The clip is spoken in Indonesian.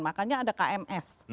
makanya ada kms